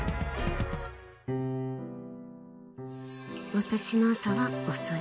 私の朝は遅い。